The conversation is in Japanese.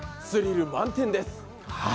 スリル満点です！